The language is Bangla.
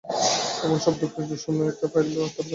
এমন সব দুঃস্বপ্নের একটা ফাইল তাঁর কাছে ছিল।